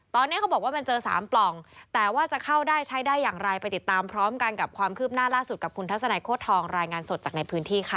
ตอนนี้เขาบอกว่ามันเจอ๓ปล่องแต่ว่าจะเข้าได้ใช้ได้อย่างไรไปติดตามพร้อมกันกับความคืบหน้าล่าสุดกับคุณทัศนัยโค้ดทองรายงานสดจากในพื้นที่ค่ะ